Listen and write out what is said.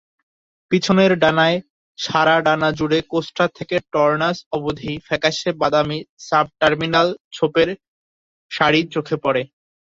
পিছনের ডানায়, সারা ডানা জুড়ে কোস্টা থেকে টর্নাস অবধি ফ্যাকাশে বাদামী সাব-টার্মিনাল ছোপের সারি চোখে পড়ে।